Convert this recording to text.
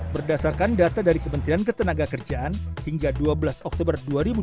berdasarkan data dari kementerian ketenaga kerjaan hingga dua belas oktober dua ribu dua puluh